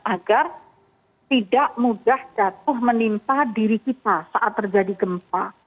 agar tidak mudah jatuh menimpa diri kita saat terjadi gempa